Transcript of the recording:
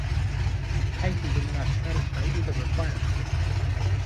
Titan did not satisfy either requirement.